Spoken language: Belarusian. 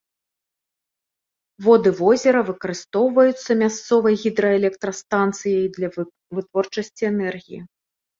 Воды возера выкарыстоўваюцца мясцовай гідраэлектрастанцый для вытворчасці энергіі.